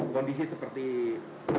kondisi seperti saat ini